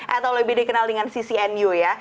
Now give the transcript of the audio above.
atau lebih dikenal dengan ccnu ya